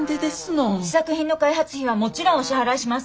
試作品の開発費はもちろんお支払いします。